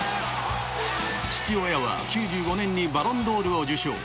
父親は９５年にバロンドールを受賞。